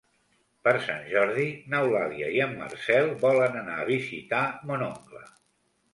Per Sant Jordi n'Eulàlia i en Marcel volen anar a visitar mon oncle.